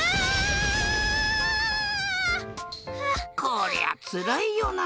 こりゃつらいよな。